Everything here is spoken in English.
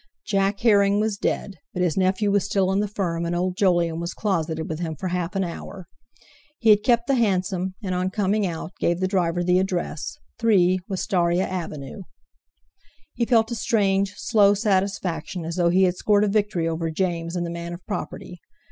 Jack Herring was dead, but his nephew was still in the firm, and old Jolyon was closeted with him for half an hour. He had kept the hansom, and on coming out, gave the driver the address—3, Wistaria Avenue. He felt a strange, slow satisfaction, as though he had scored a victory over James and the man of property.